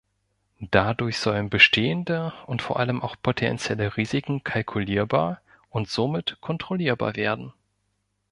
Dadurch sollen bestehende und vor allem auch potenzielle Risiken kalkulierbar und somit kontrollierbar werden.